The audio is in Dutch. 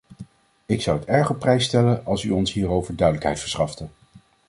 Ik zou het erg op prijs stellen als u ons hierover duidelijkheid verschafte.